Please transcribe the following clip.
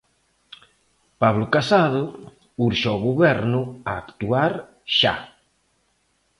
Pablo Casado urxe ao Goberno a actuar xa.